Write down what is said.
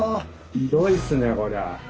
ひどいっすねこりゃ。